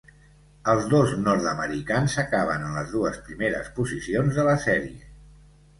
Els dos nord-americans acaben en les dues primeres posicions de la sèrie.